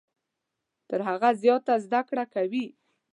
تر هغه زیاته زده کړه کوي .